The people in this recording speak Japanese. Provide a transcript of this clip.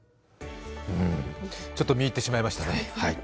ちょっと見入ってしまいましたね。